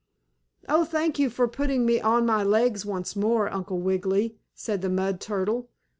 "Oh, thank you for putting me on my legs once more, Uncle Wiggily," said the mud turtle.